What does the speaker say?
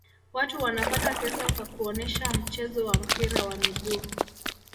watu wanapata pesa kwa kuonesha mchezo wa mpira wa miguu